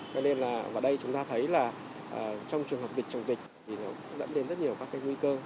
cho nên là ở đây chúng ta thấy là trong trường hợp dịch chống dịch thì nó dẫn đến rất nhiều các cái nguy cơ